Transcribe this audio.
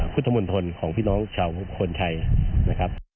พุทธมนตรภนของพี่น้องชาวอำเภอคนไทย